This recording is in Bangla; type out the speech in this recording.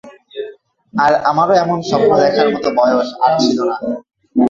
আর আমারো এমন স্বপ্ন দেখার মতো বয়স আর ছিল না।